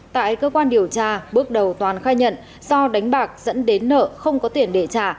tại cơ quan điều tra bước đầu toàn khai nhận do đánh bạc dẫn đến nợ không có tiền để trả